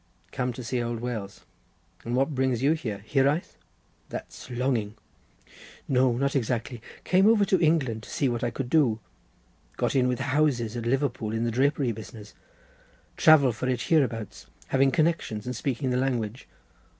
"Come to see old Wales. And what brings you here, Hiraeth?" "That's longing. No, not exactly. Came over to England to see what I could do. Got in with house at Liverpool in the drapery business. Travel for it hereabouts, having connections and speaking the language.